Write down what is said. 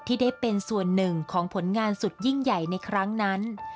ที่ได้เป็นส่วนหนึ่งของผลงานสุดยิ่งใหญ่ในครั้งนั้น